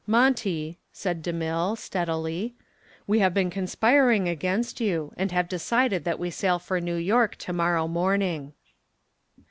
"Monty," said DeMille steadily, "we have been conspiring against you and have decided that we sail for New York to morrow morning."